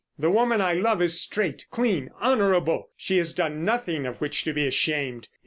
The woman I love is straight, clean, honourable. She has done nothing of which to be ashamed.